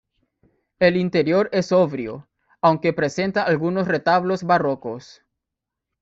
El interior es sobrio, aunque presenta algunos retablos barrocos.